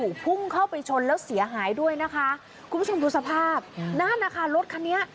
คุณผู้ชมดูสภาพนั่นนะคะรถคันนี้